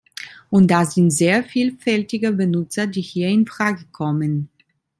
Und das sind sehr vielfältige Benutzer, die hier in Frage kommen.